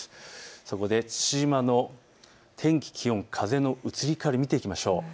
そこで父島の天気、気温、風の移り変わりを見ていきましょう。